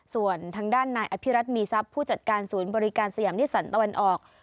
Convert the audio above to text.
ส่วนทางด้านนายอภิรัตมีทรัพย์ผู้จัดการศูนย์บริการสยามนิสันตะวันออก